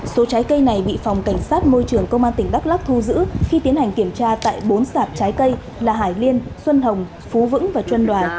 số trái cây này bị phòng cảnh sát môi trường công an tỉnh đắk lắc thu giữ khi tiến hành kiểm tra tại bốn sạp trái cây là hải liên xuân hồng phú vững và trân đoàn